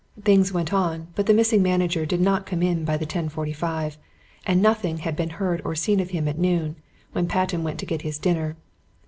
Things went on, but the missing manager did not come in by the 10.45, and nothing had been heard or seen of him at noon, when Patten went to get his dinner.